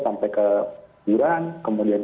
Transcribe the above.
sampai keguran kemudian